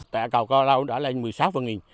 tại cầu cao lâu đã lên một mươi sáu phần nghìn